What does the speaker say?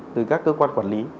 từ các cơ quan quản lý